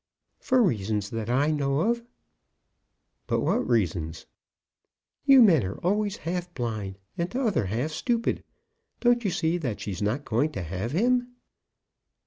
"For reasons that I know of." "But what reasons?" "You men are always half blind, and t'other half stupid. Don't you see that she's not going to have him?"